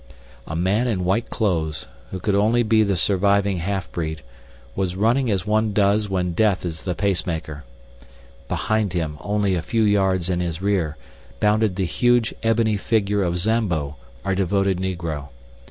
A man in white clothes, who could only be the surviving half breed, was running as one does run when Death is the pacemaker. Behind him, only a few yards in his rear, bounded the huge ebony figure of Zambo, our devoted negro.